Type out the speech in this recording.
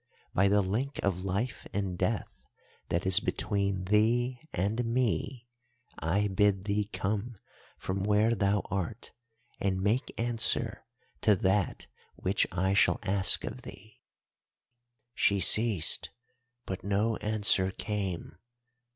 "'By the link of life and death that is between thee and me, I bid thee come from where thou art and make answer to that which I shall ask of thee.' "She ceased, but no answer came.